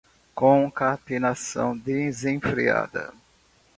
concatenação desenfreada